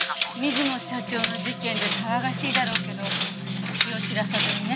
水野社長の事件で騒がしいだろうけど気を散らさずにね。